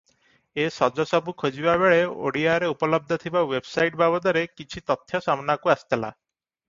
ଏ ସଜସବୁ ଖୋଜିବା ବେଳେ ଓଡ଼ିଆରେ ଉପଲବ୍ଧ ଥିବା ୱେବସାଇଟ ବାବଦରେ କିଛି ତଥ୍ୟ ସାମନାକୁ ଆସିଥିଲା ।